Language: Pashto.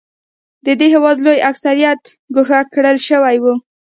د دې هېواد لوی اکثریت ګوښه کړل شوی و.